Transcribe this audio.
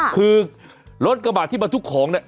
คือรถกระบาดที่มาทุกของเนี่ย